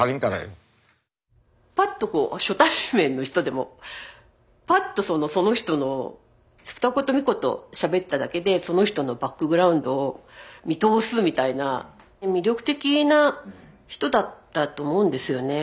パッとこう初対面の人でもパッとその人の二言三言しゃべっただけでその人のバックグラウンドを見通すみたいな魅力的な人だったと思うんですよね。